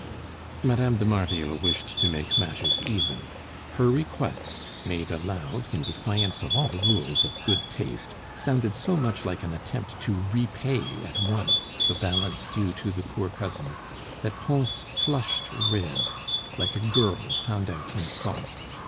Mme. de Marville wished to make matters even. Her request, made aloud, in defiance of all rules of good taste, sounded so much like an attempt to repay at once the balance due to the poor cousin, that Pons flushed red, like a girl found out in fault.